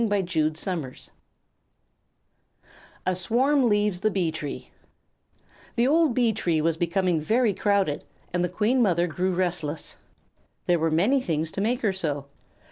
A SWARM LEAVES THE BEE TREE The old Bee tree was becoming very crowded and the Queen Mother grew restless. There were many things to make her so.